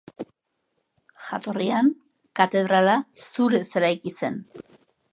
Jatorrian, katedrala, zurez eraiki zen.